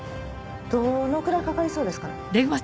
どのくらいかかりそうですかね？